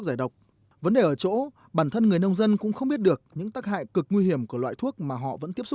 vậy là còn nước còn tát thôi tôi cũng không biết được con tôi sống như thế nào nữa